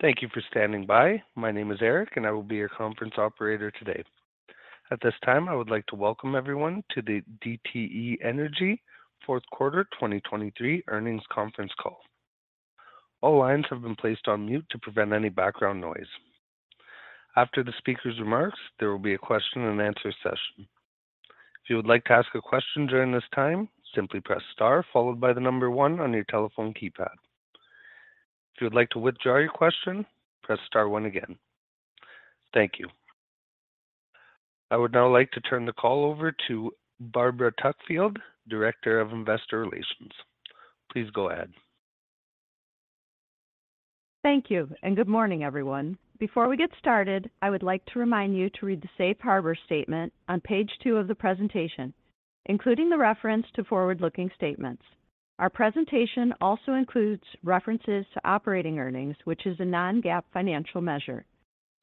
Thank you for standing by. My name is Eric, and I will be your conference operator today. At this time, I would like to welcome everyone to the DTE Energy Fourth Quarter 2023 Earnings Conference Call. All lines have been placed on mute to prevent any background noise. After the speaker's remarks, there will be a question and answer session. If you would like to ask a question during this time, simply press star followed by the number one on your telephone keypad. If you would like to withdraw your question, press star one again. Thank you. I would now like to turn the call over to Barbara Tuckfield, Director of Investor Relations. Please go ahead. Thank you, and good morning, everyone. Before we get started, I would like to remind you to read the safe harbor statement on page 2 of the presentation, including the reference to forward-looking statements. Our presentation also includes references to operating earnings, which is a non-GAAP financial measure.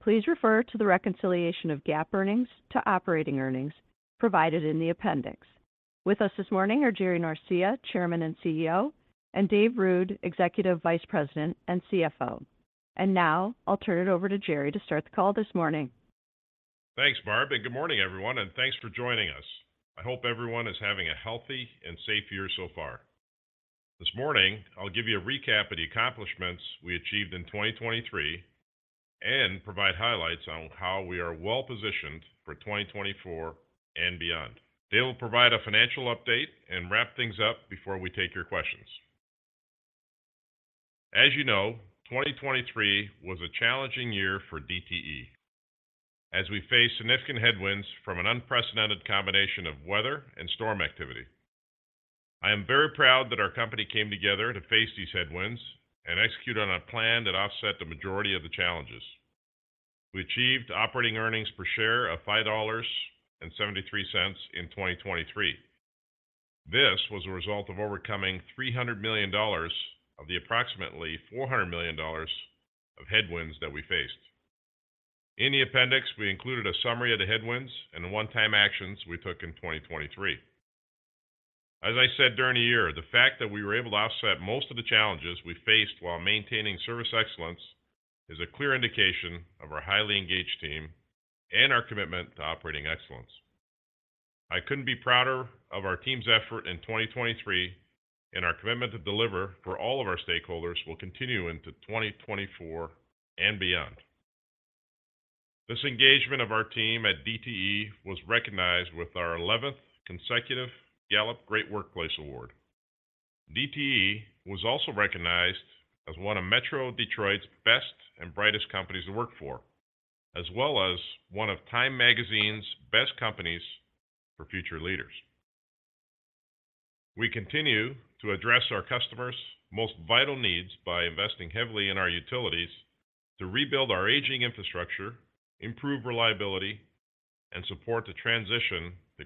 Please refer to the reconciliation of GAAP earnings to operating earnings provided in the appendix. With us this morning are Jerry Norcia, Chairman and CEO, and Dave Ruud, Executive Vice President and CFO. Now I'll turn it over to Jerry to start the call this morning. Thanks, Barb, and good morning, everyone, and thanks for joining us. I hope everyone is having a healthy and safe year so far. This morning, I'll give you a recap of the accomplishments we achieved in 2023 and provide highlights on how we are well-positioned for 2024 and beyond. Dave will provide a financial update and wrap things up before we take your questions. As you know, 2023 was a challenging year for DTE as we faced significant headwinds from an unprecedented combination of weather and storm activity. I am very proud that our company came together to face these headwinds and execute on a plan that offset the majority of the challenges. We achieved operating earnings per share of $5.73 in 2023. This was a result of overcoming $300 million of the approximately $400 million of headwinds that we faced. In the appendix, we included a summary of the headwinds and the one-time actions we took in 2023. As I said during the year, the fact that we were able to offset most of the challenges we faced while maintaining service excellence is a clear indication of our highly engaged team and our commitment to operating excellence. I couldn't be prouder of our team's effort in 2023, and our commitment to deliver for all of our stakeholders will continue into 2024 and beyond. This engagement of our team at DTE was recognized with our 11th consecutive Gallup Great Workplace Award. DTE was also recognized as one of Metro Detroit's best and brightest companies to work for, as well as one of Time Magazine's best companies for future leaders. We continue to address our customers' most vital needs by investing heavily in our utilities to rebuild our aging infrastructure, improve reliability, and support the transition to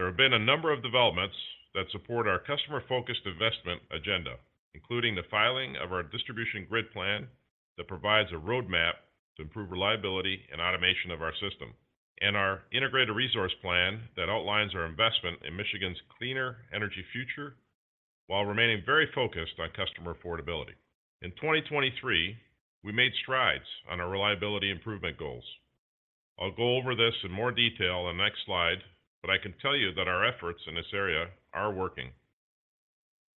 cleaner generation. There have been a number of developments that support our customer-focused investment agenda, including the filing of our Distribution Grid Plan that provides a roadmap to improve reliability and automation of our system, and our Integrated Resource Plan that outlines our investment in Michigan's cleaner energy future while remaining very focused on customer affordability. In 2023, we made strides on our reliability improvement goals. I'll go over this in more detail on the next slide, but I can tell you that our efforts in this area are working.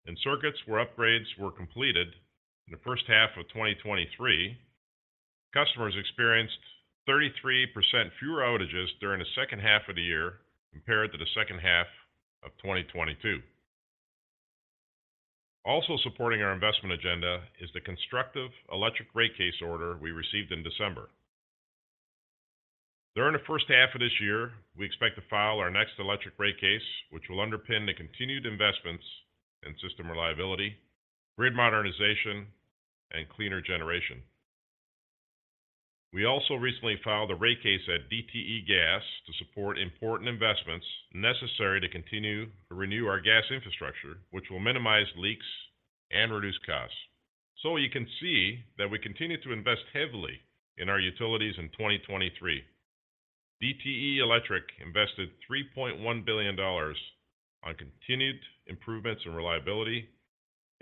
In circuits where upgrades were completed in the first half of 2023, customers experienced 33% fewer outages during the second half of the year compared to the second half of 2022. Also supporting our investment agenda is the constructive electric rate case order we received in December. During the first half of this year, we expect to file our next electric rate case, which will underpin the continued investments in system reliability, grid modernization, and cleaner generation. We also recently filed a rate case at DTE Gas to support important investments necessary to continue to renew our gas infrastructure, which will minimize leaks and reduce costs. You can see that we continued to invest heavily in our utilities in 2023. DTE Electric invested $3.1 billion on continued improvements in reliability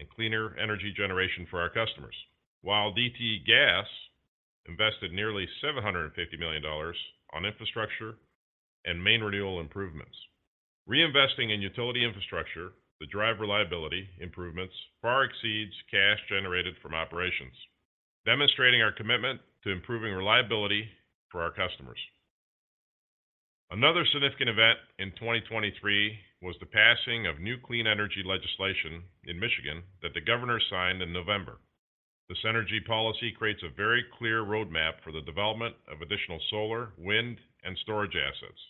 and cleaner energy generation for our customers, while DTE Gas invested nearly $750 million on infrastructure and Main Renewal improvements. Reinvesting in utility infrastructure, to drive reliability improvements, far exceeds cash generated from operations, demonstrating our commitment to improving reliability for our customers. Another significant event in 2023 was the passing of new clean energy legislation in Michigan that the governor signed in November. This energy policy creates a very clear roadmap for the development of additional solar, wind, and storage assets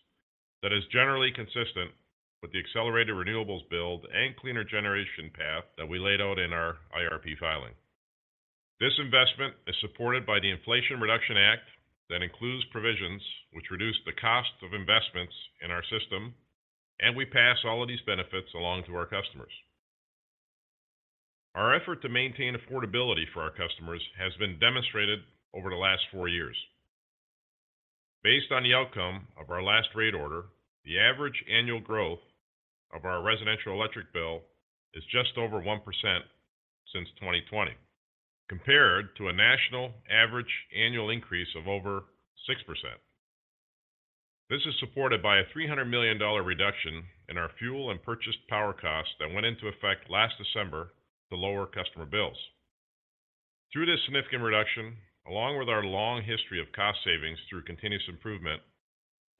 that is generally consistent with the accelerated renewables build and cleaner generation path that we laid out in our IRP filing. This investment is supported by the Inflation Reduction Act, that includes provisions which reduce the cost of investments in our system, and we pass all of these benefits along to our customers. Our effort to maintain affordability for our customers has been demonstrated over the last four years. Based on the outcome of our last rate order, the average annual growth of our residential electric bill is just over 1% since 2020, compared to a national average annual increase of over 6%. This is supported by a $300 million reduction in our fuel and purchased power costs that went into effect last December to lower customer bills. Through this significant reduction, along with our long history of cost savings through continuous improvement,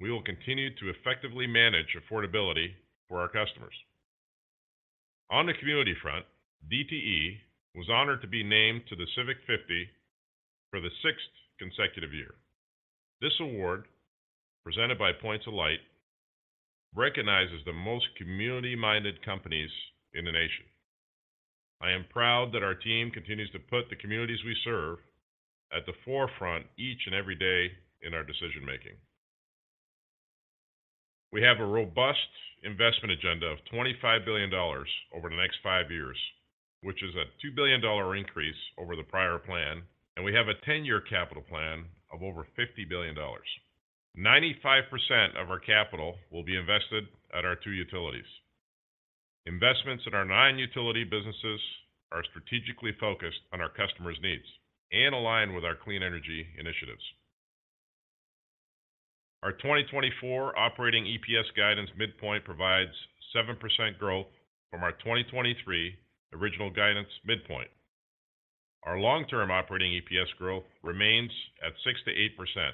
we will continue to effectively manage affordability for our customers. On the community front, DTE was honored to be named to the Civic 50 for the sixth consecutive year. This award, presented by Points of Light, recognizes the most community-minded companies in the nation. I am proud that our team continues to put the communities we serve at the forefront each and every day in our decision-making. We have a robust investment agenda of $25 billion over the next five years, which is a $2 billion increase over the prior plan, and we have a 10-year capital plan of over $50 billion. 95% of our capital will be invested at our two utilities. Investments in our nine utility businesses are strategically focused on our customers' needs and aligned with our clean energy initiatives. Our 2024 operating EPS guidance midpoint provides 7% growth from our 2023 original guidance midpoint. Our long-term operating EPS growth remains at 6%-8%,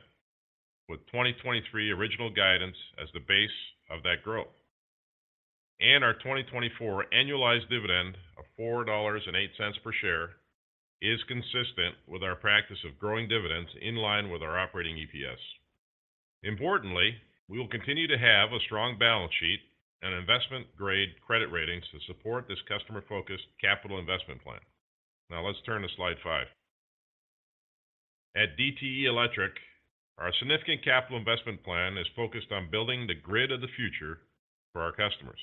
with 2023 original guidance as the base of that growth. And our 2024 annualized dividend of $4.08 per share is consistent with our practice of growing dividends in line with our operating EPS. Importantly, we will continue to have a strong balance sheet and investment-grade credit ratings to support this customer-focused capital investment plan. Now, let's turn to slide 5. At DTE Electric, our significant capital investment plan is focused on building the grid of the future for our customers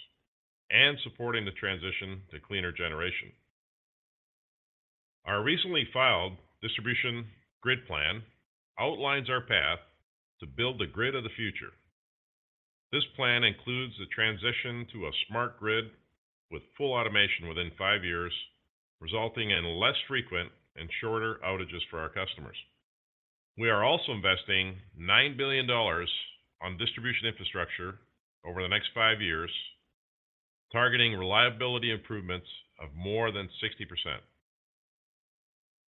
and supporting the transition to cleaner generation. Our recently filed distribution grid plan outlines our path to build the grid of the future. This plan includes the transition to a smart grid with full automation within 5 years, resulting in less frequent and shorter outages for our customers. We are also investing $9 billion on distribution infrastructure over the next 5 years, targeting reliability improvements of more than 60%.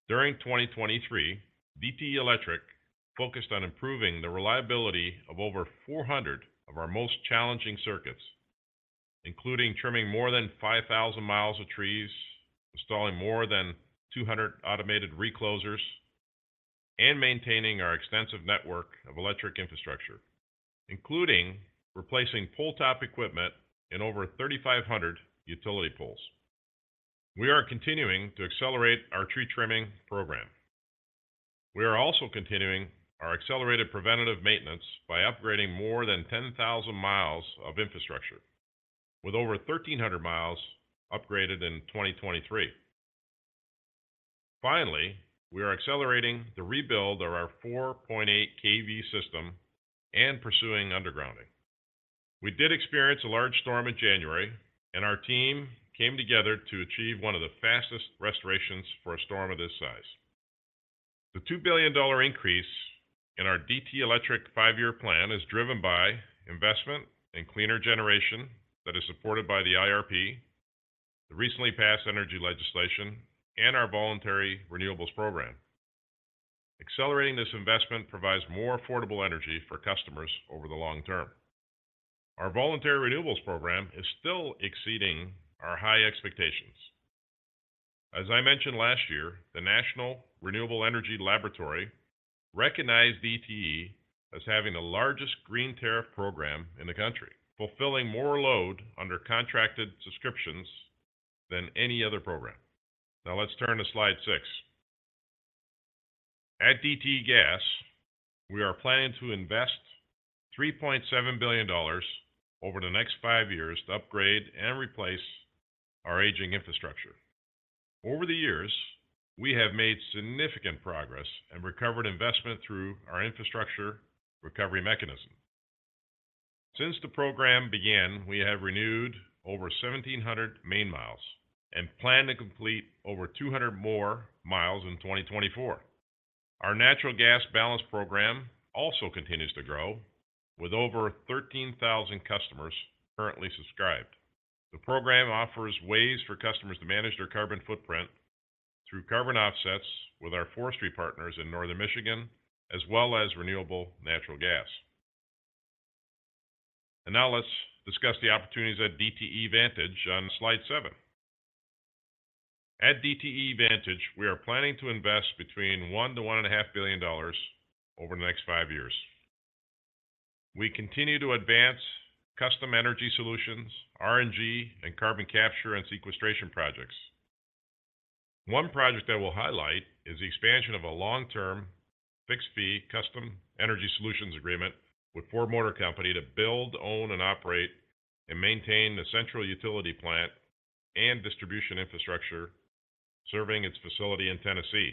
During 2023, DTE Electric focused on improving the reliability of over 400 of our most challenging circuits, including trimming more than 5,000 miles of trees, installing more than 200 automated reclosers, and maintaining our extensive network of electric infrastructure, including replacing pole-top equipment in over 3,500 utility poles. We are continuing to accelerate our tree trimming program. We are also continuing our accelerated preventative maintenance by upgrading more than 10,000 miles of infrastructure, with over 1,300 miles upgraded in 2023. Finally, we are accelerating the rebuild of our 4.8 kV system and pursuing undergrounding. We did experience a large storm in January, and our team came together to achieve one of the fastest restorations for a storm of this size. The $2 billion increase in our DTE Electric 5-year plan is driven by investment in cleaner generation that is supported by the IRP, the recently passed energy legislation, and our voluntary renewables program. Accelerating this investment provides more affordable energy for customers over the long term. Our voluntary renewables program is still exceeding our high expectations. As I mentioned last year, the National Renewable Energy Laboratory recognized DTE as having the largest Green Tariff Program in the country, fulfilling more load under contracted subscriptions than any other program. Now, let's turn to slide 6. At DTE Gas, we are planning to invest $3.7 billion over the next 5 years to upgrade and replace our aging infrastructure. Over the years, we have made significant progress and recovered investment through our Infrastructure Recovery Mechanism. Since the program began, we have renewed over 1,700 main miles and plan to complete over 200 more miles in 2024. Our Natural Gas Balance Program also continues to grow, with over 13,000 customers currently subscribed. The program offers ways for customers to manage their carbon footprint through carbon offsets with our forestry partners in Northern Michigan, as well as renewable natural gas. And now let's discuss the opportunities at DTE Vantage on slide 7. At DTE Vantage, we are planning to invest between $1 billion-$1.5 billion over the next 5 years. We continue to advance Custom Energy Solutions, RNG, and carbon capture and sequestration projects. One project that we'll highlight is the expansion of a long-term, fixed-fee Custom Energy Solutions agreement with Ford Motor Company to build, own, and operate and maintain the central utility plant and distribution infrastructure serving its facility in Tennessee.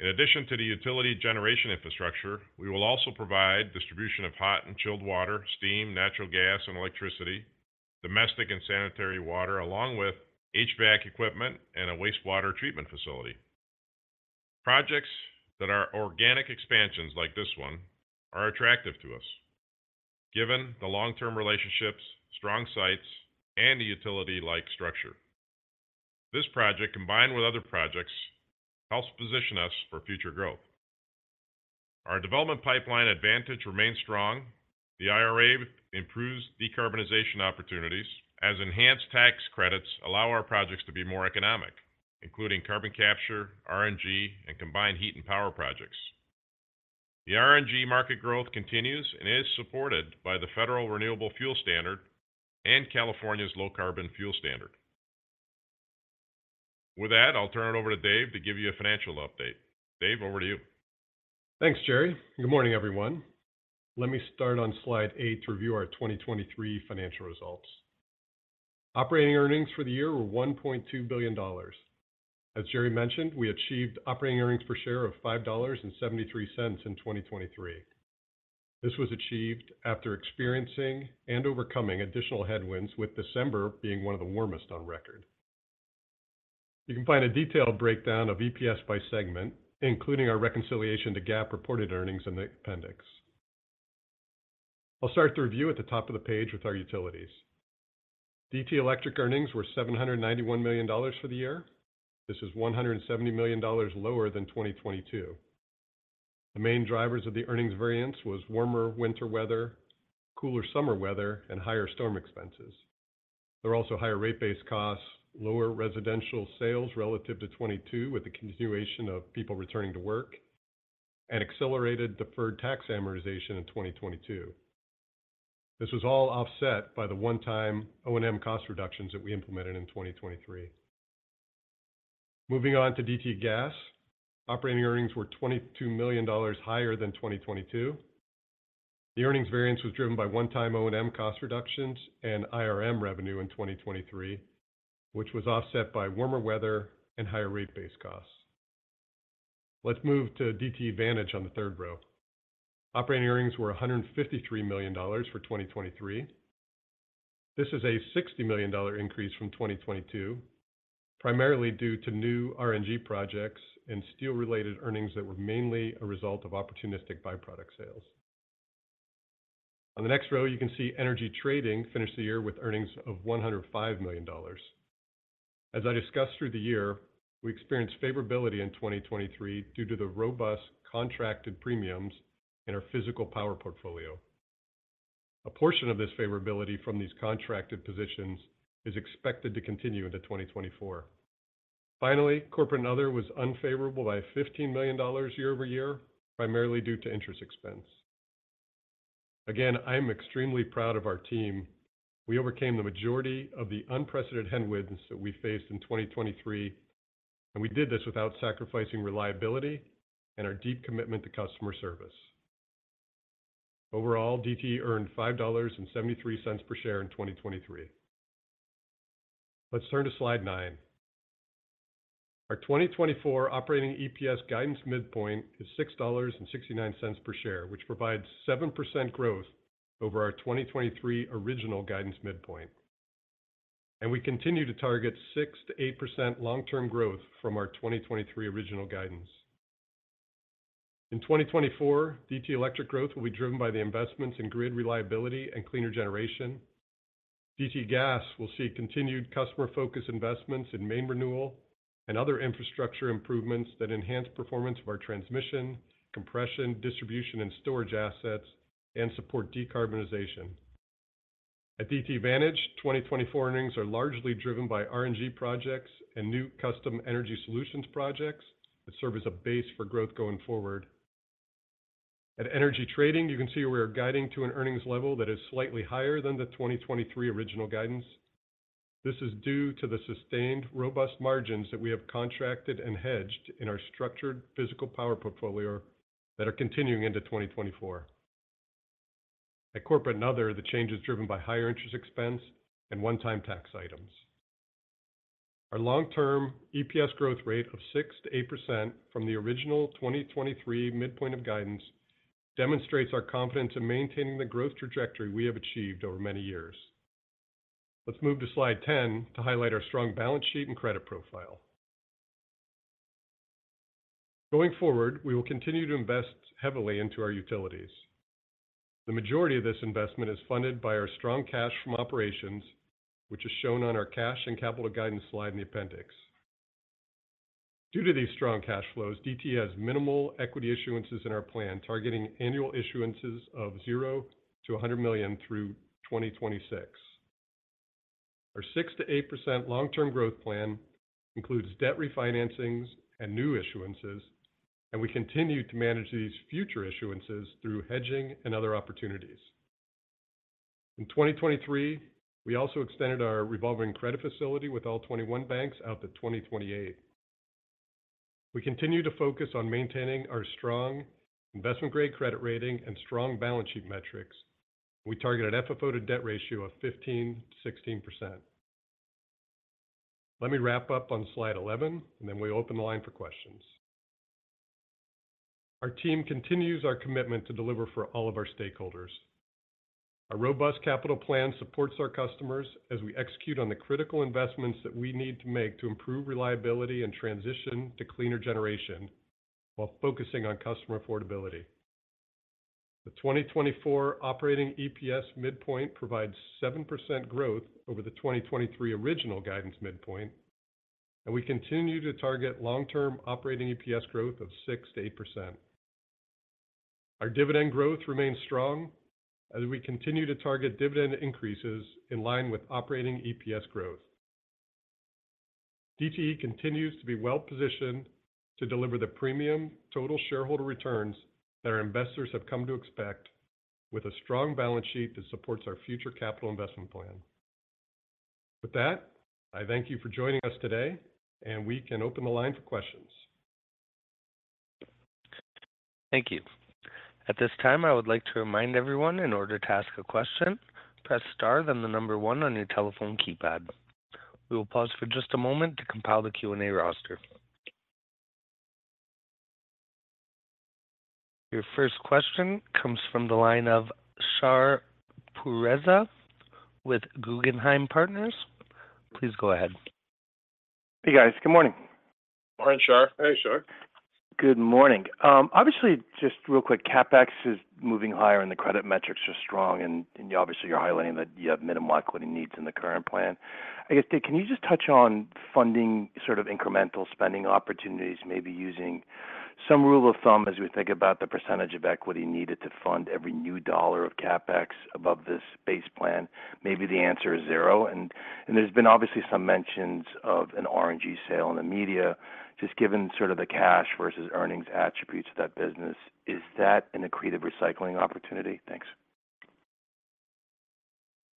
In addition to the utility generation infrastructure, we will also provide distribution of hot and chilled water, steam, natural gas, and electricity, domestic and sanitary water, along with HVAC equipment and a wastewater treatment facility. Projects that are organic expansions like this one are attractive to us, given the long-term relationships, strong sites, and the utility-like structure. This project, combined with other projects, helps position us for future growth. Our development pipeline advantage remains strong. The IRA improves decarbonization opportunities as enhanced tax credits allow our projects to be more economic, including carbon capture, RNG, and combined heat and power projects. The RNG market growth continues and is supported by the Federal Renewable Fuel Standard and California's Low Carbon Fuel Standard. With that, I'll turn it over to Dave to give you a financial update. Dave, over to you. Thanks, Jerry. Good morning, everyone. Let me start on slide 8 to review our 2023 financial results. Operating earnings for the year were $1.2 billion. As Jerry mentioned, we achieved operating earnings per share of $5.73 in 2023. This was achieved after experiencing and overcoming additional headwinds, with December being one of the warmest on record. You can find a detailed breakdown of EPS by segment, including our reconciliation to GAAP reported earnings in the appendix. I'll start the review at the top of the page with our utilities. DTE Electric earnings were $791 million for the year. This is $170 million lower than 2022. The main drivers of the earnings variance was warmer winter weather, cooler summer weather, and higher storm expenses. There are also higher rate base costs, lower residential sales relative to 2022, with the continuation of people returning to work, and accelerated deferred tax amortization in 2022. This was all offset by the one-time O&M cost reductions that we implemented in 2023. Moving on to DTE Gas. Operating earnings were $22 million higher than 2022. The earnings variance was driven by one-time O&M cost reductions and IRM revenue in 2023, which was offset by warmer weather and higher rate base costs. Let's move to DTE Vantage on the third row. Operating earnings were $153 million for 2023. This is a $60 million dollar increase from 2022, primarily due to new RNG projects and steel-related earnings that were mainly a result of opportunistic byproduct sales. On the next row, you can see Energy Trading finished the year with earnings of $105 million. As I discussed through the year, we experienced favorability in 2023 due to the robust contracted premiums in our physical power portfolio. A portion of this favorability from these contracted positions is expected to continue into 2024. Finally, Corporate and Other was unfavorable by $15 million year-over-year, primarily due to interest expense. Again, I'm extremely proud of our team. We overcame the majority of the unprecedented headwinds that we faced in 2023, and we did this without sacrificing reliability and our deep commitment to customer service. Overall, DTE earned $5.73 per share in 2023. Let's turn to slide nine. Our 2024 operating EPS guidance midpoint is $6.69 per share, which provides 7% growth over our 2023 original guidance midpoint, and we continue to target 6%-8% long-term growth from our 2023 original guidance. In 2024, DTE Electric growth will be driven by the investments in grid reliability and cleaner generation. DTE Gas will see continued customer-focused investments in Main Renewal and other infrastructure improvements that enhance performance of our transmission, compression, distribution, and storage assets and support decarbonization. At DTE Vantage, 2024 earnings are largely driven by RNG projects and new custom energy solutions projects that serve as a base for growth going forward. At Energy Trading, you can see we are guiding to an earnings level that is slightly higher than the 2023 original guidance. This is due to the sustained, robust margins that we have contracted and hedged in our structured physical power portfolio that are continuing into 2024. At Corporate and Other, the change is driven by higher interest expense and one-time tax items. Our long-term EPS growth rate of 6%-8% from the original 2023 midpoint of guidance demonstrates our confidence in maintaining the growth trajectory we have achieved over many years. Let's move to slide 10 to highlight our strong balance sheet and credit profile. Going forward, we will continue to invest heavily into our utilities. The majority of this investment is funded by our strong cash from operations, which is shown on our cash and capital guidance slide in the appendix. Due to these strong cash flows, DTE has minimal equity issuances in our plan, targeting annual issuances of $0-$100 million through 2026. Our 6%-8% long-term growth plan includes debt refinancings and new issuances, and we continue to manage these future issuances through hedging and other opportunities. In 2023, we also extended our revolving credit facility with all 21 banks out to 2028. We continue to focus on maintaining our strong investment-grade credit rating and strong balance sheet metrics. We target an FFO to debt ratio of 15%-16%. Let me wrap up on slide 11, and then we open the line for questions. Our team continues our commitment to deliver for all of our stakeholders. A robust capital plan supports our customers as we execute on the critical investments that we need to make to improve reliability and transition to cleaner generation, while focusing on customer affordability. The 2024 operating EPS midpoint provides 7% growth over the 2023 original guidance midpoint, and we continue to target long-term operating EPS growth of 6%-8%. Our dividend growth remains strong as we continue to target dividend increases in line with operating EPS growth. DTE continues to be well-positioned to deliver the premium total shareholder returns that our investors have come to expect, with a strong balance sheet that supports our future capital investment plan. With that, I thank you for joining us today, and we can open the line for questions. Thank you. At this time, I would like to remind everyone, in order to ask a question, press Star, then the number one on your telephone keypad. We will pause for just a moment to compile the Q&A roster. Your first question comes from the line of Shar Pourreza with Guggenheim Partners. Please go ahead. Hey, guys. Good morning. Morning, Shar. Hey, Shar. Good morning. Obviously, just real quick, CapEx is moving higher and the credit metrics are strong, and obviously, you're highlighting that you have minimal equity needs in the current plan. I guess, Dave, can you just touch on funding sort of incremental spending opportunities, maybe using some rule of thumb as we think about the percentage of equity needed to fund every new dollar of CapEx above this base plan? Maybe the answer is zero. And there's been obviously some mentions of an RNG sale in the media. Just given sort of the cash versus earnings attributes of that business, is that an accretive recycling opportunity? Thanks.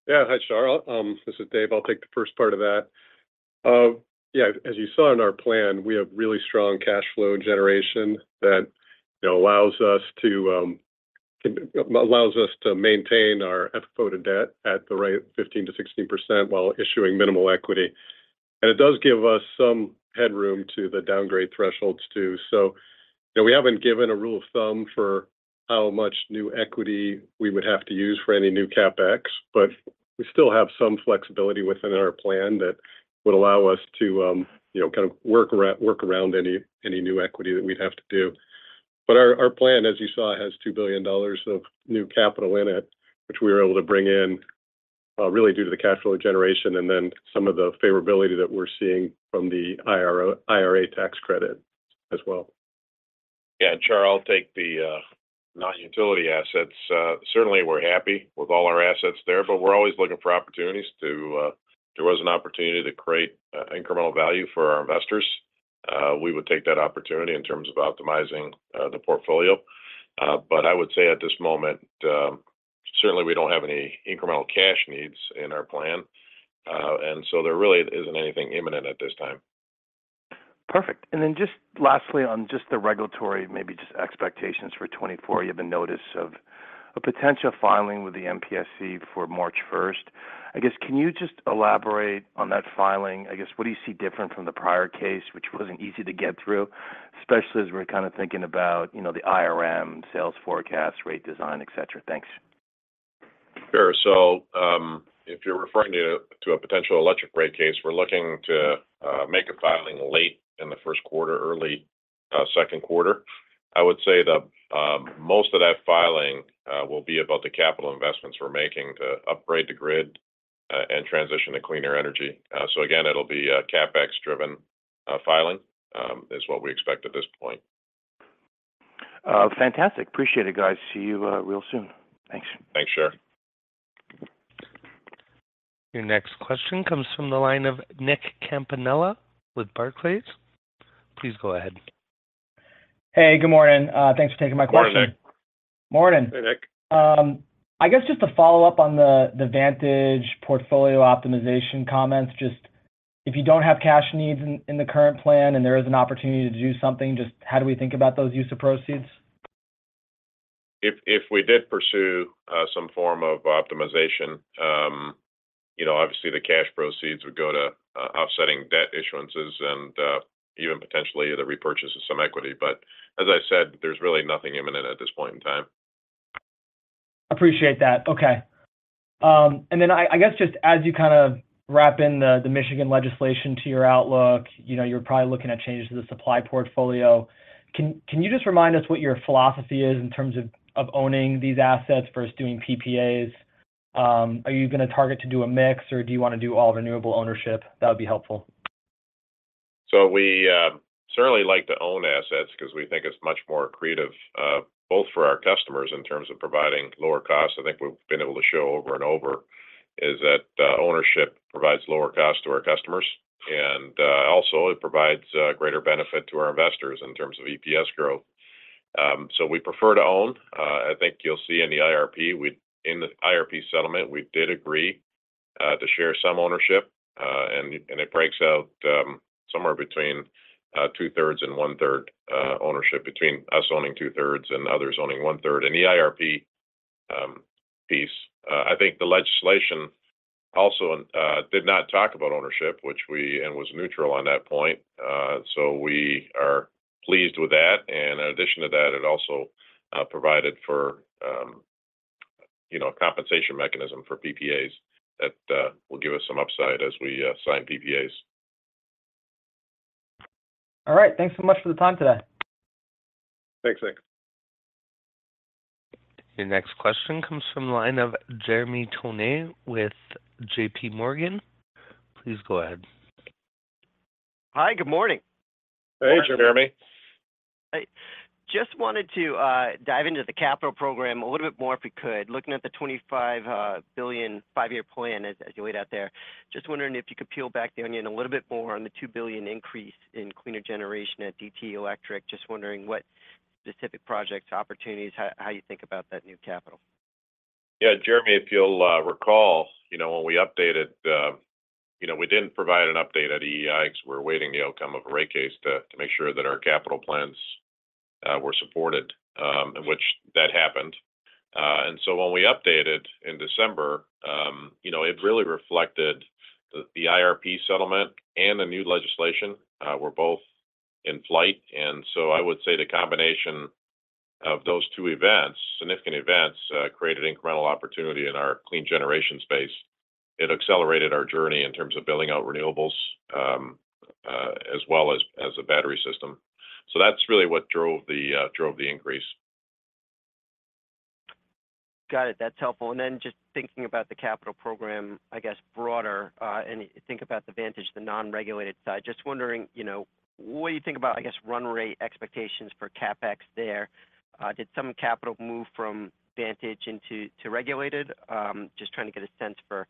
Yeah. Hi, Shar. This is Dave. I'll take the first part of that. Yeah, as you saw in our plan, we have really strong cash flow generation that, you know, allows us to, allows us to maintain our FFO to debt at the rate of 15%-16% while issuing minimal equity. And it does give us some headroom to the downgrade thresholds too. So, you know, we haven't given a rule of thumb for how much new equity we would have to use for any new CapEx, but we still have some flexibility within our plan that would allow us to, you know, kind of work around, work around any, any new equity that we'd have to do. But our plan, as you saw, has $2 billion of new capital in it, which we were able to bring in really due to the cash flow generation and then some of the favorability that we're seeing from the IRA tax credit as well. Yeah, Shar, I'll take the non-utility assets. Certainly, we're happy with all our assets there, but we're always looking for opportunities to... If there was an opportunity to create incremental value for our investors, we would take that opportunity in terms of optimizing the portfolio. But I would say at this moment, certainly we don't have any incremental cash needs in our plan, and so there really isn't anything imminent at this time. Perfect. And then just lastly, on just the regulatory, maybe just expectations for 2024, you have a notice of a potential filing with the MPSC before March 1. I guess, can you just elaborate on that filing? I guess, what do you see different from the prior case, which wasn't easy to get through, especially as we're kind of thinking about, you know, the IRM sales forecast, rate design, et cetera? Thanks. Sure. So, if you're referring to a potential electric rate case, we're looking to make a filing late in the first quarter, early second quarter. I would say that most of that filing will be about the capital investments we're making to upgrade the grid and transition to cleaner energy. So again, it'll be a CapEx-driven filing is what we expect at this point. Fantastic. Appreciate it, guys. See you real soon. Thanks. Thanks, Shar. Your next question comes from the line of Nick Campanella with Barclays. Please go ahead. Hey, good morning. Thanks for taking my question. Morning, Nick. Morning. Hey, Nick. I guess just to follow up on the Vantage portfolio optimization comments, just if you don't have cash needs in the current plan and there is an opportunity to do something, just how do we think about those use of proceeds? If, if we did pursue some form of optimization, you know, obviously the cash proceeds would go to offsetting debt issuances and even potentially the repurchase of some equity. But as I said, there's really nothing imminent at this point in time. Appreciate that. Okay. And then I guess just as you kind of wrap in the Michigan legislation to your outlook, you know, you're probably looking at changes to the supply portfolio. Can you just remind us what your philosophy is in terms of owning these assets versus doing PPAs? Are you going to target to do a mix, or do you want to do all renewable ownership? That would be helpful. So we certainly like to own assets because we think it's much more accretive both for our customers in terms of providing lower costs. I think we've been able to show over and over, is that ownership provides lower cost to our customers, and also it provides greater benefit to our investors in terms of EPS growth.... So we prefer to own. I think you'll see in the IRP, in the IRP settlement, we did agree to share some ownership. And it breaks out somewhere between two-thirds and one-third ownership between us owning two-thirds and others owning one-third. In the IRP piece, I think the legislation also did not talk about ownership, which we-- and was neutral on that point. So we are pleased with that, and in addition to that, it also provided for, you know, a compensation mechanism for PPAs that will give us some upside as we sign PPAs. All right. Thanks so much for the time today. Thanks, Nick. Your next question comes from the line of Jeremy Tonet with JP Morgan. Please go ahead. Hi, good morning. Hey, Jeremy. I just wanted to dive into the capital program a little bit more, if we could. Looking at the $25 billion five-year plan as you laid out there, just wondering if you could peel back the onion a little bit more on the $2 billion increase in cleaner generation at DTE Electric. Just wondering what specific projects, opportunities, how you think about that new capital? Yeah, Jeremy, if you'll recall, you know, when we updated, you know, we didn't provide an update at EEI because we're awaiting the outcome of a rate case to make sure that our capital plans were supported, which that happened. And so when we updated in December, you know, it really reflected the IRP settlement and the new legislation were both in flight. And so I would say the combination of those two events, significant events, created incremental opportunity in our clean generation space. It accelerated our journey in terms of building out renewables, as well as a battery system. So that's really what drove the increase. Got it. That's helpful. And then just thinking about the capital program, I guess, broader, and think about the Vantage, the non-regulated side. Just wondering, you know, what do you think about, I guess, run rate expectations for CapEx there? Did some capital move from Vantage into, to regulated? Just trying to get a sense for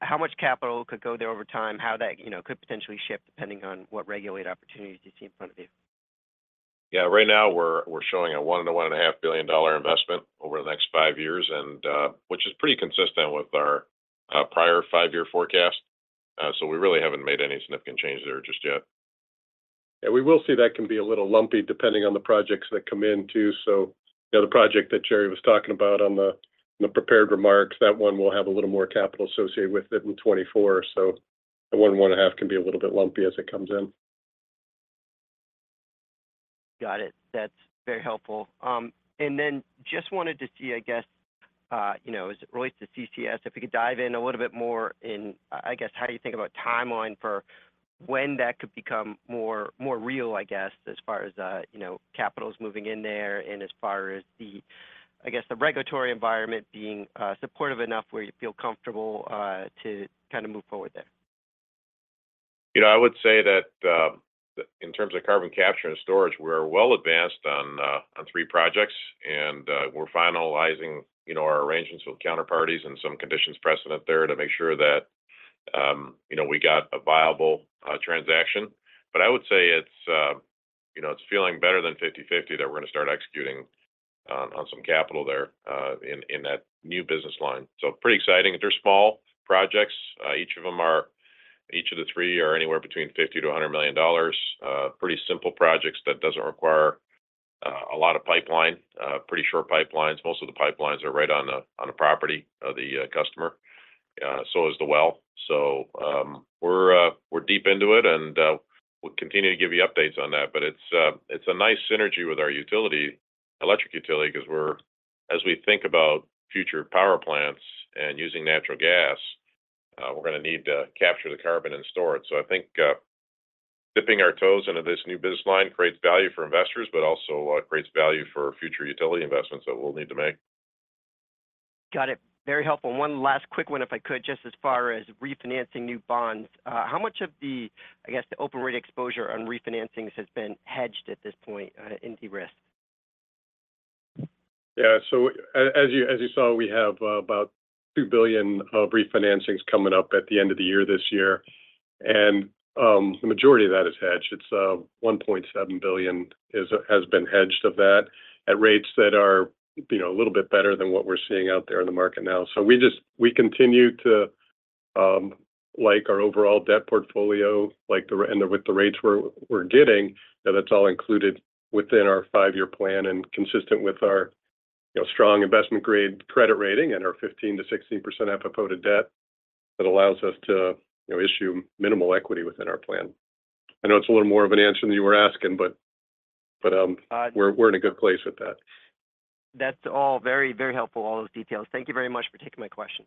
how much capital could go there over time, how that, you know, could potentially shift, depending on what regulated opportunities you see in front of you. Yeah. Right now, we're showing a $1 billion-$1.5 billion investment over the next five years, and which is pretty consistent with our prior five-year forecast. So we really haven't made any significant changes there just yet. Yeah, we will see that can be a little lumpy, depending on the projects that come in, too. So the other project that Jerry was talking about on the prepared remarks, that one will have a little more capital associated with it in 2024. So the 1, 1.5 can be a little bit lumpy as it comes in. Got it. That's very helpful. And then just wanted to see, I guess, you know, as it relates to CCS, if we could dive in a little bit more in, I guess, how you think about timeline for when that could become more, more real, I guess, as far as, you know, capital is moving in there, and as far as the, I guess, the regulatory environment being supportive enough where you feel comfortable to kind of move forward there. You know, I would say that, in terms of carbon capture and storage, we're well advanced on, on 3 projects, and, we're finalizing, you know, our arrangements with counterparties and some conditions precedent there to make sure that, you know, we got a viable, transaction. But I would say it's, you know, it's feeling better than 50/50 that we're going to start executing, on some capital there, in, in that new business line. So pretty exciting. They're small projects. Each of the 3 are anywhere between $50 million-$100 million. Pretty simple projects that doesn't require, a lot of pipeline. Pretty short pipelines. Most of the pipelines are right on the, on the property of the, customer. So is the well. So, we're deep into it, and we'll continue to give you updates on that. But it's a nice synergy with our utility, electric utility, because as we think about future power plants and using natural gas, we're going to need to capture the carbon and store it. So I think dipping our toes into this new business line creates value for investors, but also creates value for future utility investments that we'll need to make. Got it. Very helpful. One last quick one, if I could. Just as far as refinancing new bonds, how much of the, I guess, the open rate exposure on refinancings has been hedged at this point, in the risk? Yeah. So as you saw, we have about $2 billion of refinancings coming up at the end of the year, this year, and the majority of that is hedged. It's $1.7 billion has been hedged of that, at rates that are, you know, a little bit better than what we're seeing out there in the market now. So we just continue to like our overall debt portfolio, and with the rates we're getting, that's all included within our five-year plan and consistent with our, you know, strong investment-grade credit rating and our 15%-16% FFO to debt. That allows us to, you know, issue minimal equity within our plan. I know it's a little more of an answer than you were asking, but we're in a good place with that. That's all very, very helpful, all those details. Thank you very much for taking my question.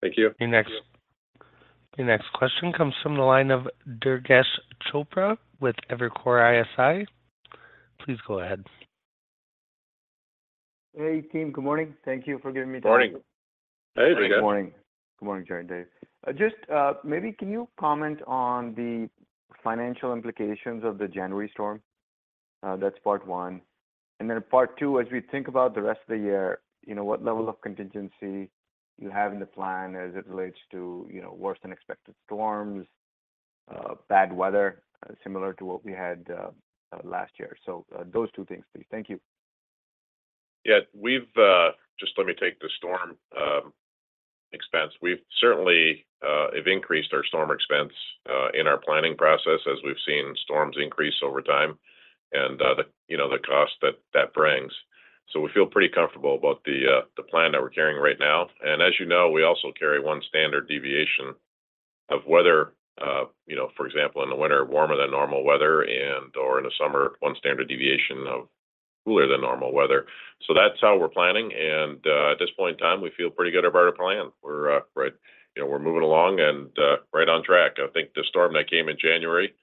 Thank you. Your next question comes from the line of Durgesh Chopra with Evercore ISI. Please go ahead. Hey, team. Good morning. Thank you for giving me time. Morning. Hey, Durgesh. Good morning. Good morning, Jerry and Dave. Just, maybe can you comment on the financial implications of the January storm?... That's part one. And then part two, as we think about the rest of the year, you know, what level of contingency do you have in the plan as it relates to, you know, worse than expected storms, bad weather, similar to what we had, last year? So, those two things, please. Thank you. Yeah, we've just let me take the storm expense. We certainly have increased our storm expense in our planning process as we've seen storms increase over time and, you know, the cost that that brings. So we feel pretty comfortable about the plan that we're carrying right now. And as you know, we also carry one standard deviation of weather, you know, for example, in the winter, warmer than normal weather and or in the summer, one standard deviation of cooler than normal weather. So that's how we're planning, and at this point in time, we feel pretty good about our plan. We're right, you know, we're moving along and right on track. I think the storm that came in January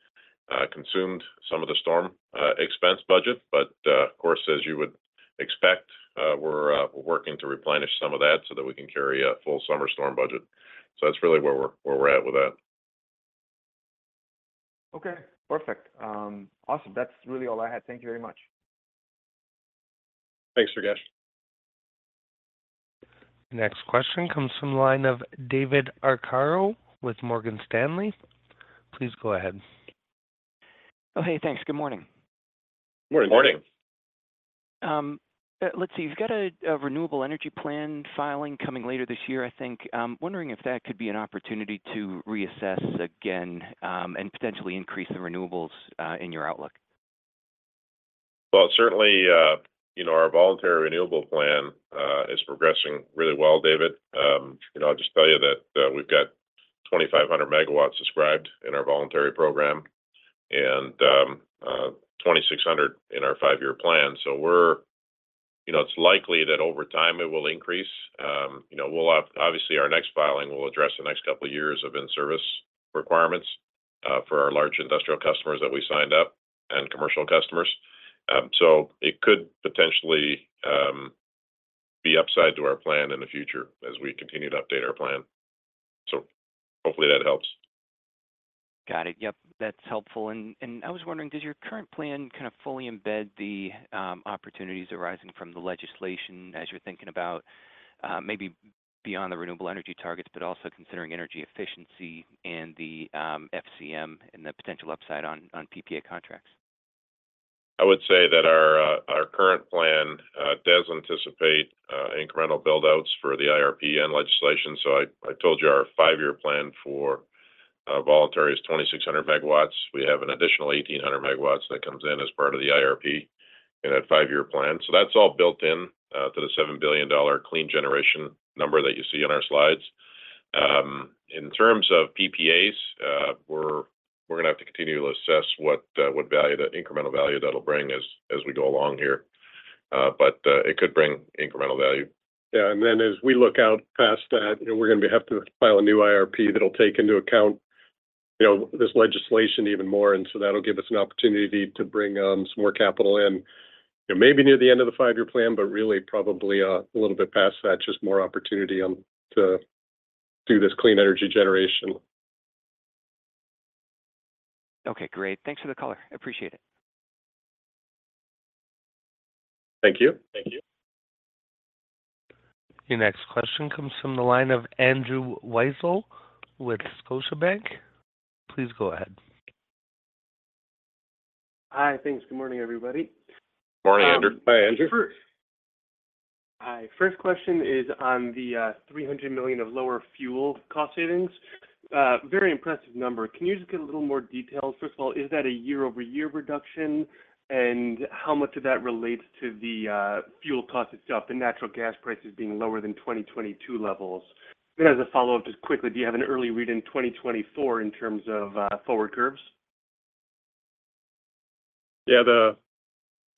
consumed some of the storm expense budget, but of course, as you would expect, we're working to replenish some of that so that we can carry a full summer storm budget. So that's really where we're at with that. Okay, perfect. Awesome. That's really all I had. Thank you very much. Thanks, Durgesh. Next question comes from the line of David Arcaro with Morgan Stanley. Please go ahead. Oh, hey, thanks. Good morning. Morning. Morning. Let's see. You've got a renewable energy plan filing coming later this year, I think. Wondering if that could be an opportunity to reassess again, and potentially increase the renewables in your outlook? Well, certainly, you know, our voluntary renewable plan is progressing really well, David. You know, I'll just tell you that, we've got 2,500 megawatts subscribed in our voluntary program and, 2,600 in our five-year plan. So we're you know, it's likely that over time it will increase. You know, we'll have obviously, our next filing will address the next couple of years of in-service requirements, for our large industrial customers that we signed up and commercial customers. So it could potentially be upside to our plan in the future as we continue to update our plan. So hopefully that helps. Got it. Yep, that's helpful. And I was wondering, does your current plan kind of fully embed the opportunities arising from the legislation as you're thinking about, maybe beyond the renewable energy targets, but also considering energy efficiency and the FCM and the potential upside on PPA contracts? I would say that our our current plan does anticipate incremental build-outs for the IRP and legislation. So I I told you our five-year plan for voluntary is 2,600 megawatts. We have an additional 1,800 megawatts that comes in as part of the IRP in that five-year plan. So that's all built in to the $7 billion clean generation number that you see on our slides. In terms of PPAs, we're we're going to have to continually assess what what value that incremental value that'll bring as as we go along here. But it could bring incremental value. Yeah, and then as we look out past that, you know, we're going to have to file a new IRP that'll take into account, you know, this legislation even more. And so that'll give us an opportunity to bring, some more capital in. It may be near the end of the five-year plan, but really probably, a little bit past that, just more opportunity, to do this clean energy generation. Okay, great. Thanks for the color. I appreciate it. Thank you. Thank you. Your next question comes from the line of Andrew Weisel with Scotiabank. Please go ahead. Hi, thanks. Good morning, everybody. Morning, Andrew. Hi, Andrew. Hi. First question is on the $300 million of lower fuel cost savings. Very impressive number. Can you just give a little more detail? First of all, is that a year-over-year reduction, and how much of that relates to the fuel cost itself, the natural gas prices being lower than 2022 levels? Then as a follow-up, just quickly, do you have an early read in 2024 in terms of forward curves? Yeah, the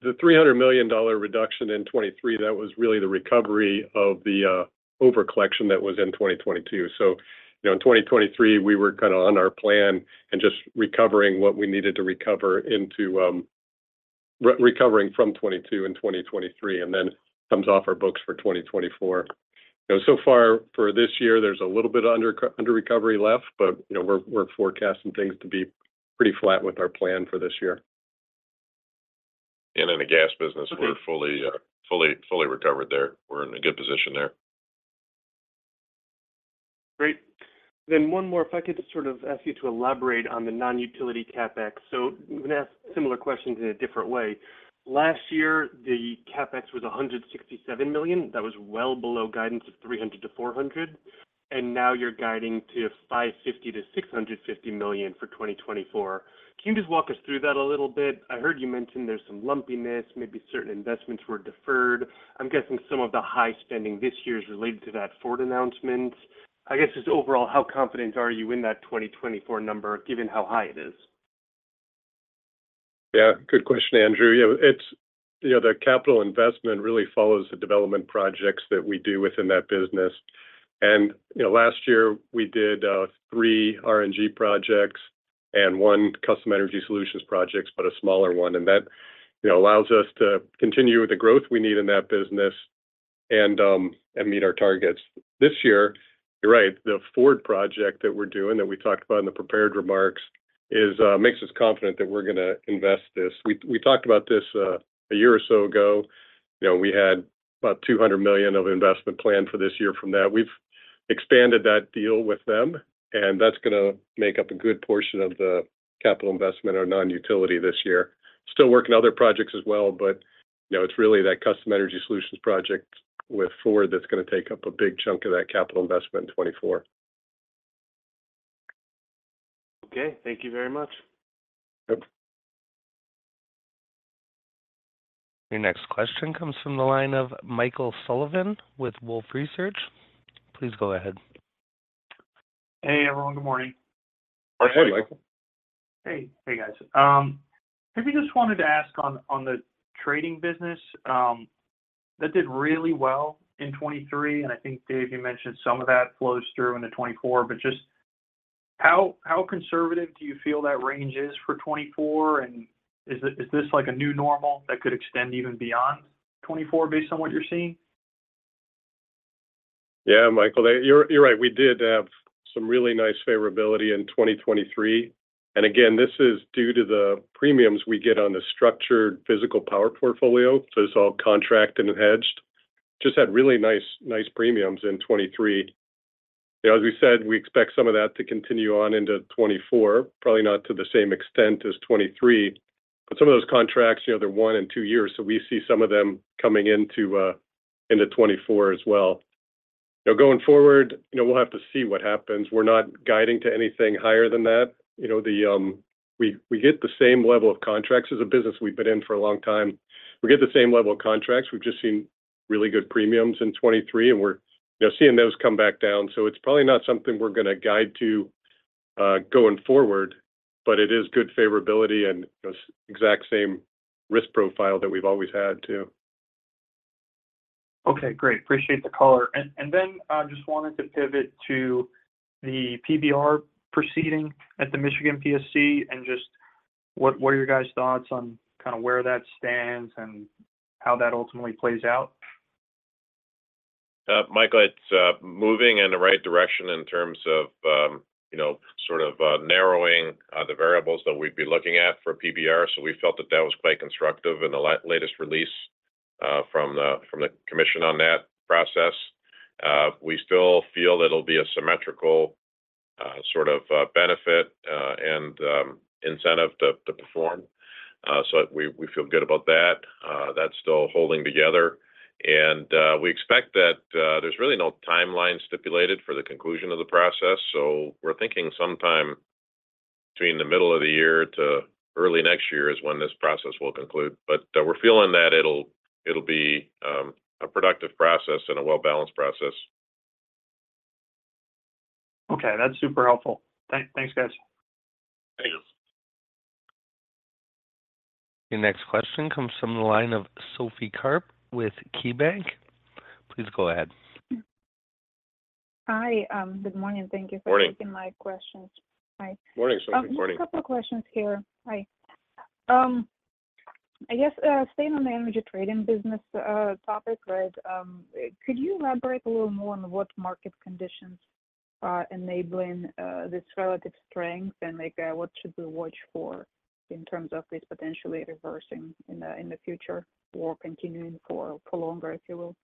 $300 million reduction in 2023, that was really the recovery of the overcollection that was in 2022. So, you know, in 2023, we were kind of on our plan and just recovering what we needed to recover into recovering from 2022 and 2023, and then comes off our books for 2024. You know, so far for this year, there's a little bit of underrecovery left, but, you know, we're forecasting things to be pretty flat with our plan for this year. In the gas business, we're fully, fully, fully recovered there. We're in a good position there. Great. Then one more, if I could just sort of ask you to elaborate on the non-utility CapEx. So I'm going to ask similar questions in a different way. Last year, the CapEx was $167 million. That was well below guidance of $300-$400, and now you're guiding to $550-$650 million for 2024. Can you just walk us through that a little bit? I heard you mention there's some lumpiness, maybe certain investments were deferred. I'm guessing some of the high spending this year is related to that Ford announcement. I guess, just overall, how confident are you in that 2024 number, given how high it is? Yeah, good question, Andrew. Yeah, it's. You know, the capital investment really follows the development projects that we do within that business. And, you know, last year we did 3 RNG projects and 1 custom energy solutions projects, but a smaller one, and that, you know, allows us to continue with the growth we need in that business. and meet our targets. This year, you're right, the Ford project that we're doing, that we talked about in the prepared remarks, is makes us confident that we're going to invest this. We talked about this a year or so ago. You know, we had about $200 million of investment planned for this year from that. We've expanded that deal with them, and that's going to make up a good portion of the capital investment or non-utility this year. Still working other projects as well, but, you know, it's really that Custom Energy Solutions project with Ford that's going to take up a big chunk of that capital investment in 2024. Okay. Thank you very much. Yep. Your next question comes from the line of Michael Sullivan with Wolfe Research. Please go ahead. Hey, everyone. Good morning. Hey, Michael. Hey. Hey, guys. Maybe just wanted to ask on the trading business that did really well in 2023, and I think, Dave, you mentioned some of that flows through into 2024. But just how conservative do you feel that range is for 2024, and is this like a new normal that could extend even beyond 2024, based on what you're seeing? Yeah, Michael, that... You're, you're right. We did have some really nice favorability in 2023. And again, this is due to the premiums we get on the structured physical power portfolio. So it's all contracted and hedged. Just had really nice, nice premiums in 2023. As we said, we expect some of that to continue on into 2024, probably not to the same extent as 2023. But some of those contracts, you know, they're one and two years, so we see some of them coming into into 2024 as well. Now, going forward, you know, we'll have to see what happens. We're not guiding to anything higher than that. You know, the... We, we get the same level of contracts. As a business, we've been in for a long time. We get the same level of contracts. We've just seen really good premiums in 2023, and we're, you know, seeing those come back down. So it's probably not something we're going to guide to, going forward, but it is good favorability and the exact same risk profile that we've always had, too. Okay, great. Appreciate the color. And then, I just wanted to pivot to the PBR proceeding at the Michigan PSC, and just what are your guys' thoughts on kind of where that stands and how that ultimately plays out? Michael, it's moving in the right direction in terms of, you know, sort of, narrowing the variables that we'd be looking at for PBR. So we felt that that was quite constructive in the latest release from the commission on that process. We still feel that it'll be a symmetrical sort of benefit and incentive to perform. So we feel good about that. That's still holding together. We expect that there's really no timeline stipulated for the conclusion of the process, so we're thinking sometime between the middle of the year to early next year is when this process will conclude. But we're feeling that it'll be a productive process and a well-balanced process. Okay. That's super helpful. Thanks, guys. Thanks. Your next question comes from the line of Sophie Karp with KeyBanc. Please go ahead. Hi. Good morning. Thank you for- Morning Taking my questions. Hi. Morning, Sophie, morning. A couple of questions here. Hi. I guess, staying on the energy trading business, topic, right, could you elaborate a little more on what market conditions are enabling, this relative strength? Like, what should we watch for in terms of this potentially reversing in the future or continuing for longer, if you will?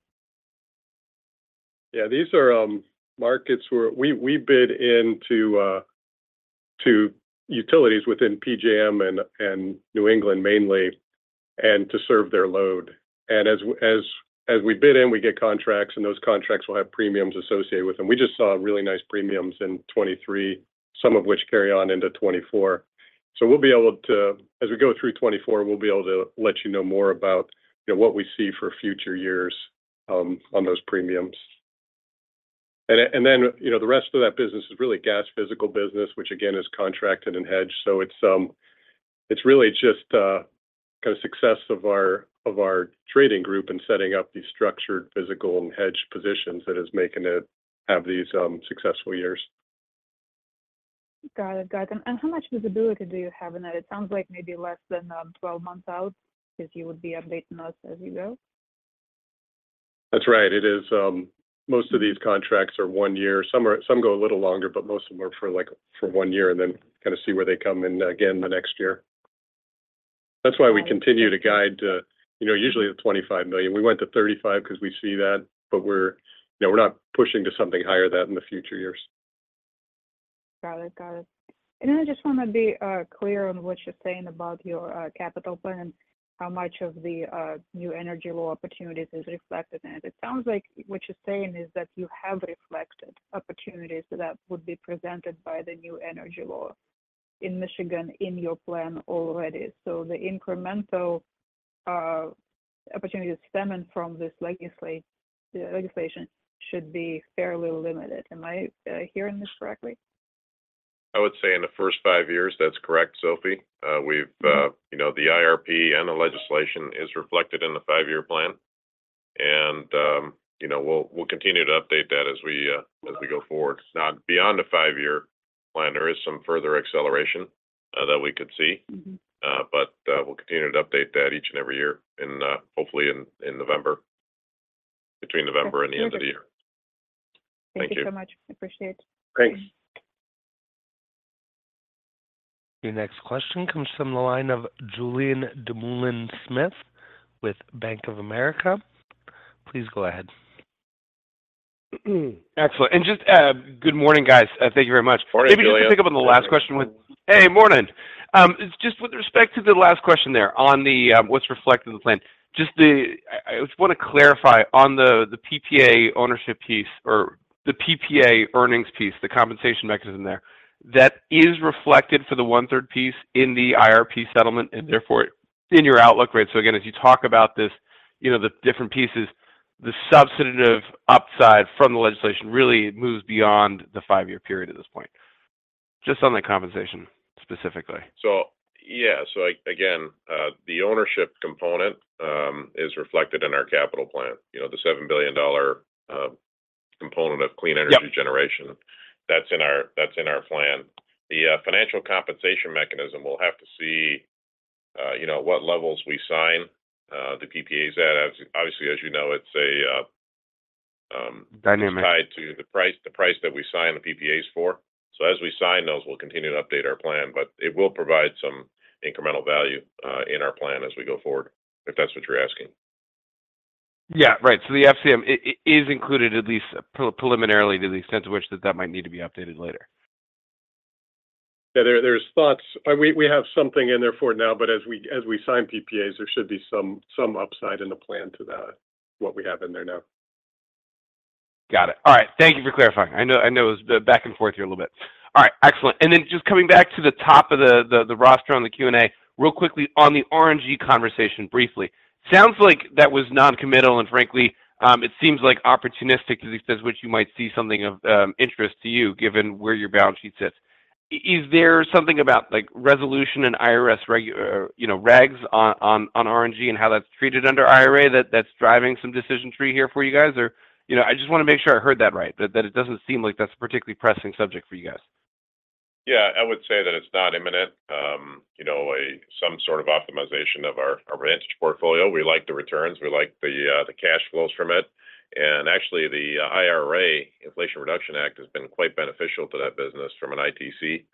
Yeah, these are markets where we bid into to utilities within PJM and New England mainly, and to serve their load. And as we bid in, we get contracts, and those contracts will have premiums associated with them. We just saw really nice premiums in 2023, some of which carry on into 2024. So we'll be able to, as we go through 2024, we'll be able to let you know more about, you know, what we see for future years on those premiums. And then, you know, the rest of that business is really gas physical business, which again, is contracted and hedged. So it's really just kind of success of our trading group and setting up these structured, physical, and hedged positions that is making it have these successful years. Got it. Got it. And how much visibility do you have in it? It sounds like maybe less than 12 months out, because you would be updating us as you go. That's right. It is, most of these contracts are one year. Some go a little longer, but most of them are for, like, for one year, and then kind of see where they come in again the next year. Got it. That's why we continue to guide, you know, usually the $25 million. We went to $35 million because we see that, but we're, you know, we're not pushing to something higher than that in the future years. Got it. Got it. And I just want to be clear on what you're saying about your capital plan and how much of the new energy law opportunities is reflected in it. It sounds like what you're saying is that you have reflected opportunities that would be presented by the new energy law in Michigan in your plan already. So the incremental opportunity stemming from this legislation should be fairly limited. Am I hearing this correctly? I would say in the first five years, that's correct, Sophie. We've, you know, the IRP and the legislation is reflected in the five-year plan, and, you know, we'll continue to update that as we, as we go forward. Now, beyond the five-year plan, there is some further acceleration that we could see. Mm-hmm. But, we'll continue to update that each and every year and, hopefully in November, between November and the end of the year. Thank you so much. Thank you. Appreciate it. Thanks. Your next question comes from the line of Julien Dumoulin-Smith with Bank of America. Please go ahead. Excellent. And just, good morning, guys. Thank you very much. Morning, Julien. Maybe just to pick up on the last question with-- Hey, morning. Just with respect to the last question there on the, what's reflected in the plan, I just want to clarify on the, the PPA ownership piece or the PPA earnings piece, the compensation mechanism there, that is reflected for the one-third piece in the IRP settlement and therefore in your outlook rate. So again, as you talk about this, you know, the different pieces, the substantive upside from the legislation really moves beyond the five-year period at this point. Just on the compensation, specifically. So yeah. So again, the ownership component is reflected in our capital plan. You know, the $7 billion component of clean energy- Yep ... generation, that's in our, that's in our plan. The Financial Compensation Mechanism, we'll have to see, you know, what levels we sign the PPAs at. Obviously, as you know, it's a Dynamic tied to the price, the price that we sign the PPAs for. So as we sign those, we'll continue to update our plan, but it will provide some incremental value in our plan as we go forward, if that's what you're asking. Yeah, right. So the FCM is included, at least preliminarily, to the extent to which that might need to be updated later? Yeah, there's thoughts. We have something in there for now, but as we sign PPAs, there should be some upside in the plan to that, what we have in there now. Got it. All right. Thank you for clarifying. I know, I know it was back and forth here a little bit. All right, excellent. And then just coming back to the top of the roster on the Q&A, real quickly on the RNG conversation, briefly. Sounds like that was non-committal, and frankly, it seems like opportunistic, as he says, which you might see something of interest to you, given where your balance sheet sits. Is there something about, like, resolution and IRS regs on RNG and how that's treated under IRA, that's driving some decision tree here for you guys? Or, you know, I just want to make sure I heard that right, that it doesn't seem like that's a particularly pressing subject for you guys. Yeah, I would say that it's not imminent, you know, some sort of optimization of our RNG portfolio. We like the returns, we like the cash flows from it. And actually, the IRA, Inflation Reduction Act, has been quite beneficial to that business from an ITC,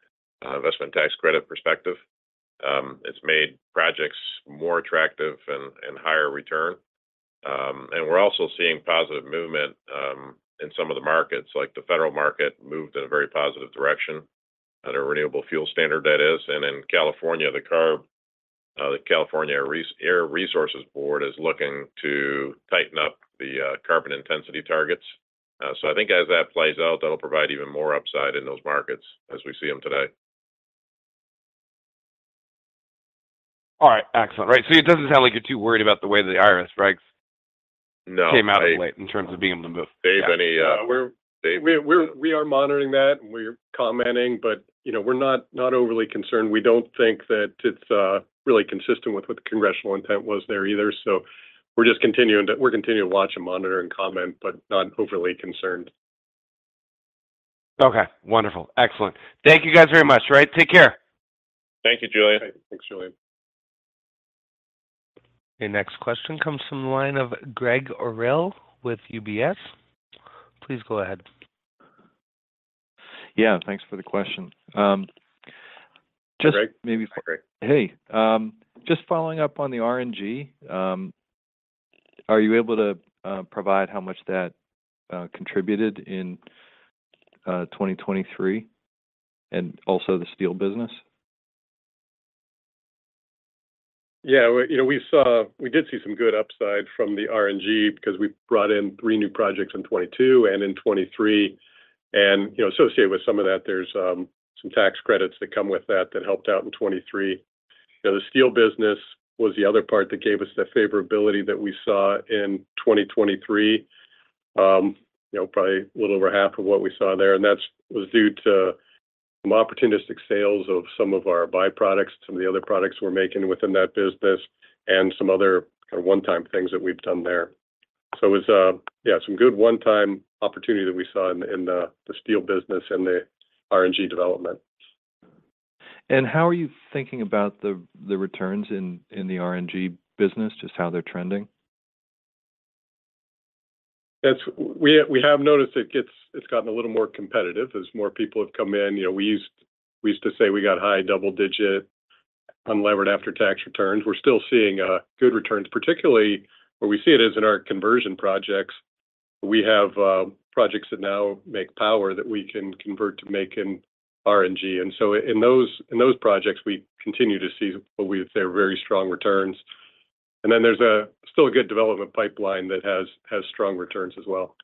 investment tax credit perspective. It's made projects more attractive and higher return. And we're also seeing positive movement in some of the markets, like the federal market moved in a very positive direction, at a Renewable Fuel Standard, that is. And in California, the CARB, the California Air Resources Board, is looking to tighten up the carbon intensity targets. So I think as that plays out, that'll provide even more upside in those markets as we see them today. All right, excellent. Right, so it doesn't sound like you're too worried about the way the IRS regs- No... came out late in terms of being able to move. Dave, any We are monitoring that, and we're commenting, but, you know, we're not overly concerned. We don't think that it's really consistent with what the congressional intent was there either. So we're just continuing to watch and monitor and comment, but not overly concerned. Okay, wonderful. Excellent. Thank you guys very much. Right, take care. Thank you, Julien. Thanks, Julian. The next question comes from the line of Greg Orrill with UBS. Please go ahead. Yeah, thanks for the question. Just maybe- Greg. Hey, just following up on the RNG, are you able to provide how much that contributed in 2023, and also the steel business? Yeah, well, you know, we saw we did see some good upside from the RNG because we brought in 3 new projects in 2022 and in 2023. And, you know, associated with some of that, there's some tax credits that come with that, that helped out in 2023. You know, the steel business was the other part that gave us the favorability that we saw in 2023. You know, probably a little over half of what we saw there, and that was due to some opportunistic sales of some of our byproducts, some of the other products we're making within that business, and some other kind of one-time things that we've done there. So it was, yeah, some good one-time opportunity that we saw in the steel business and the RNG development. And how are you thinking about the returns in the RNG business, just how they're trending? We have noticed it's gotten a little more competitive as more people have come in. You know, we used to say we got high double-digit unlevered after-tax returns. We're still seeing good returns, particularly where we see it is in our conversion projects. We have projects that now make power that we can convert to making RNG. And so in those projects, we continue to see what we would say are very strong returns. And then there's still a good development pipeline that has strong returns as well.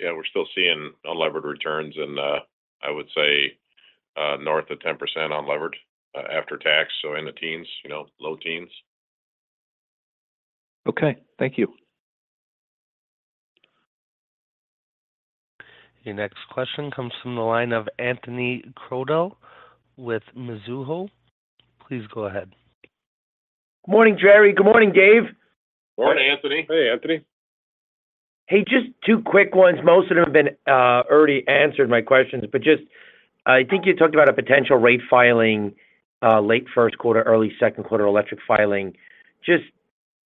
Yeah, we're still seeing unlevered returns and, I would say, north of 10% unlevered, after tax, so in the teens, you know, low teens. Okay, thank you. Your next question comes from the line of Anthony Crowdell with Mizuho. Please go ahead. Morning, Jerry. Good morning, Dave. Morning, Anthony. Hey, Anthony.... Hey, just two quick ones. Most of them have been already answered my questions, but just, I think you talked about a potential rate filing, late first quarter, early second quarter, electric filing. Just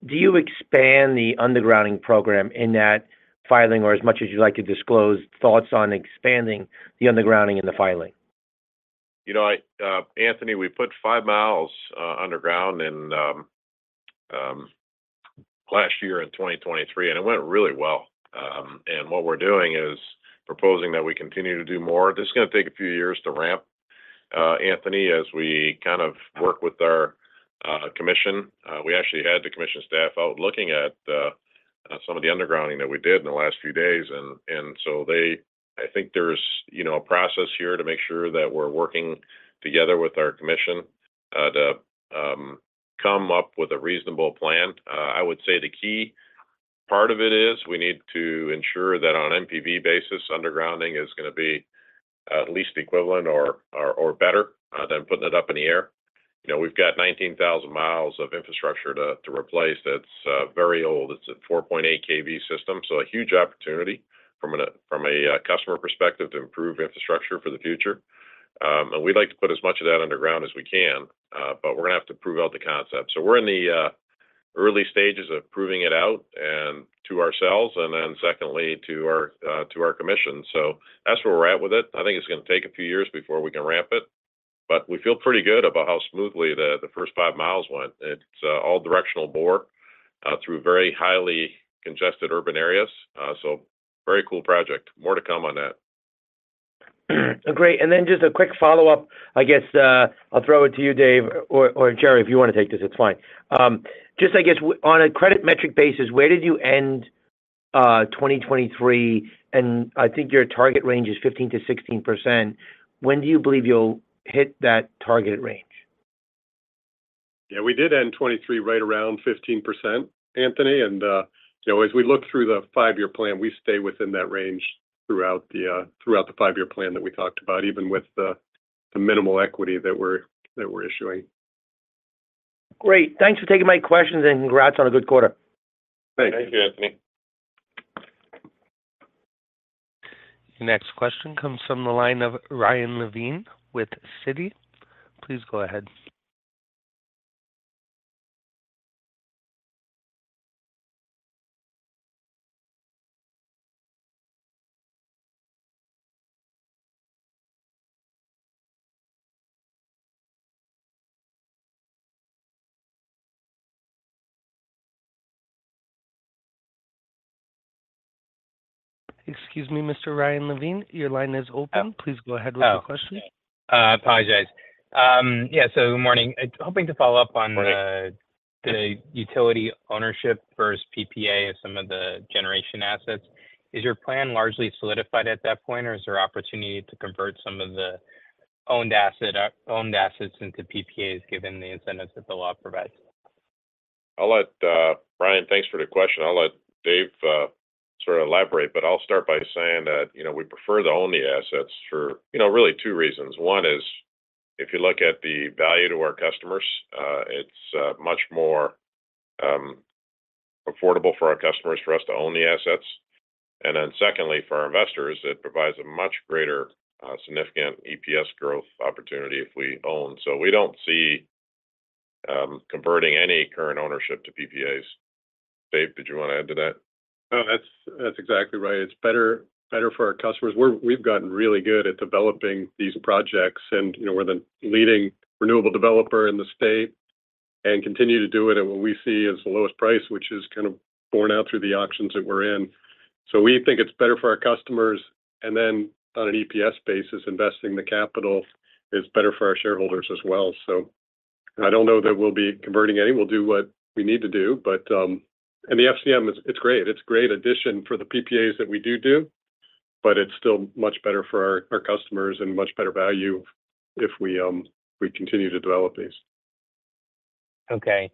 do you expand the undergrounding program in that filing, or as much as you'd like to disclose, thoughts on expanding the undergrounding in the filing? You know, I, Anthony, we put five miles underground in last year in 2023, and it went really well. And what we're doing is proposing that we continue to do more. This is gonna take a few years to ramp, Anthony, as we kind of work with our commission. We actually had the commission staff out looking at some of the undergrounding that we did in the last few days. And so I think there's, you know, a process here to make sure that we're working together with our commission to come up with a reasonable plan. I would say the key part of it is we need to ensure that on NPV basis, undergrounding is gonna be at least equivalent or, or, or better than putting it up in the air. You know, we've got 19,000 miles of infrastructure to replace that's very old. It's a 4.8 kV system, so a huge opportunity from a customer perspective to improve infrastructure for the future. And we'd like to put as much of that underground as we can, but we're gonna have to prove out the concept. So we're in the early stages of proving it out to ourselves, and then secondly, to our commission. So that's where we're at with it. I think it's gonna take a few years before we can ramp it, but we feel pretty good about how smoothly the first five miles went. It's all directional bore through very highly congested urban areas. So very cool project. More to come on that. Great. And then just a quick follow-up. I guess, I'll throw it to you, Dave, or, or Jerry, if you want to take this, it's fine. Just I guess, on a credit metric basis, where did you end, 2023? And I think your target range is 15%-16%. When do you believe you'll hit that target range? Yeah, we did end 2023 right around 15%, Anthony. And, you know, as we look through the five-year plan, we stay within that range throughout the five-year plan that we talked about, even with the minimal equity that we're issuing. Great. Thanks for taking my questions, and congrats on a good quarter. Thank you, Anthony. Next question comes from the line of Ryan Levine with Citi. Please go ahead. Excuse me, Mr. Ryan Levine, your line is open. Oh. Please go ahead with your question. I apologize. Yeah, so good morning. Hoping to follow up on the- Good morning... the utility ownership versus PPA of some of the generation assets. Is your plan largely solidified at that point, or is there opportunity to convert some of the owned asset, owned assets into PPAs, given the incentives that the law provides? I'll let Ryan, thanks for the question. I'll let Dave sort of elaborate, but I'll start by saying that, you know, we prefer to own the assets for, you know, really two reasons. One is, if you look at the value to our customers, it's much more affordable for our customers for us to own the assets. And then secondly, for our investors, it provides a much greater significant EPS growth opportunity if we own. So we don't see converting any current ownership to PPAs. Dave, did you want to add to that? That's, that's exactly right. It's better, better for our customers. We've gotten really good at developing these projects, and, you know, we're the leading renewable developer in the state and continue to do it at what we see as the lowest price, which is kind of borne out through the auctions that we're in. So we think it's better for our customers, and then on an EPS basis, investing the capital is better for our shareholders as well. So I don't know that we'll be converting any. We'll do what we need to do, but... The FCM, it's, it's great. It's a great addition for the PPAs that we do do, but it's still much better for our, our customers and much better value if we, we continue to develop these. Okay.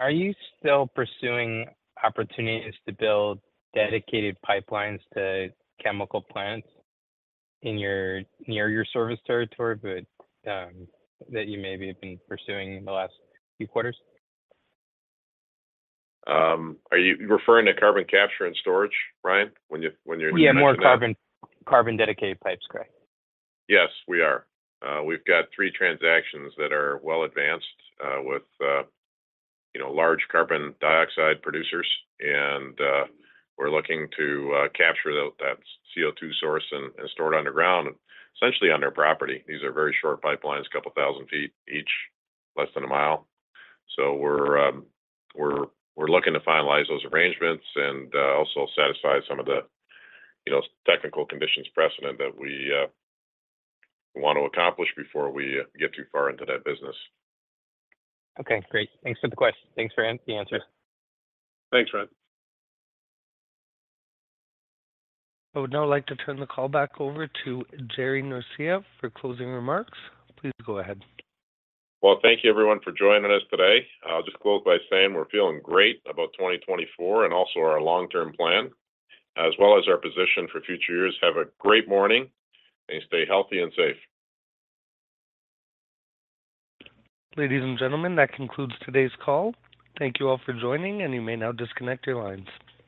Are you still pursuing opportunities to build dedicated pipelines to chemical plants in your, near your service territory, but that you maybe have been pursuing in the last few quarters? Are you referring to carbon capture and storage, Ryan, when you mention that? Yeah, more carbon, carbon dedicated pipes, correct. Yes, we are. We've got three transactions that are well advanced with you know, large carbon dioxide producers, and we're looking to capture that CO2 source and store it underground, essentially on their property. These are very short pipelines, a couple thousand feet each, less than a mile. So we're looking to finalize those arrangements and also satisfy some of the you know, technical conditions precedent that we want to accomplish before we get too far into that business. Okay, great. Thanks for the question. Thanks for the answer. Thanks, Ryan. I would now like to turn the call back over to Jerry Norcia for closing remarks. Please go ahead. Well, thank you, everyone, for joining us today. I'll just close by saying we're feeling great about 2024 and also our long-term plan, as well as our position for future years. Have a great morning, and stay healthy and safe. Ladies and gentlemen, that concludes today's call. Thank you all for joining, and you may now disconnect your lines.